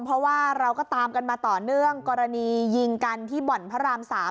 เพราะว่าเราก็ตามกันมาต่อเนื่องกรณียิงกันที่บ่อนพระราม๓